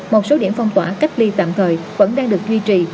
một số điểm phong tỏa cách ly tạm thời vẫn đang được duy trì